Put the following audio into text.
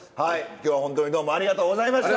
今日はホントにどうもありがとうございました！